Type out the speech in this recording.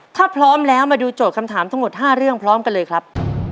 ถ้าพร้อมแล้วมาดูโจทย์คำถามทั้งหมด๕เรื่องพร้อมกันเลยครับ